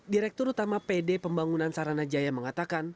direktur utama pd pembangunan sarana jaya mengatakan